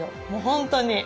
本当に。